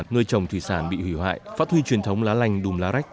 người chồng thủy sản bị hủy hoại phát huy truyền thống lá lành đùm lá rách